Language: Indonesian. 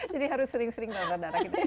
jadi harus sering sering donor darah gitu